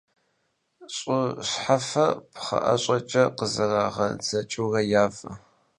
Щӏы щхьэфэр пхъэӏэщэкӏэ къызэрагъэдзэкӏыурэ явэ.